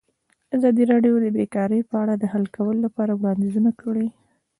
ازادي راډیو د بیکاري په اړه د حل کولو لپاره وړاندیزونه کړي.